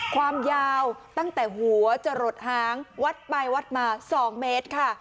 ความยาวตั้งแต่หัวจะหลดหางวัดไปวัดมา๒เมตรค่ะ